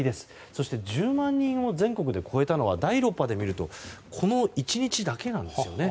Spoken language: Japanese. そして１０万人を全国で超えたのは第６波で見るとこの１日だけなんですね。